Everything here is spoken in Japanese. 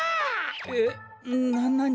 えっななに？